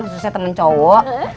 khususnya temen cowok